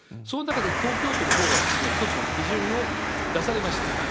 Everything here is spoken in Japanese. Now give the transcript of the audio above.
その中で東京都のほうが一つの基準を出されました。